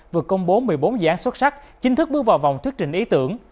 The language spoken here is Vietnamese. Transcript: vừa công bố một mươi bốn dự án xuất sắc chính thức bước vào vòng thuyết trình ý tưởng